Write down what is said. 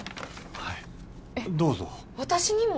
はいどうぞ私にも？